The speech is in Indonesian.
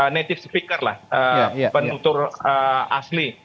native speaker lah penutur asli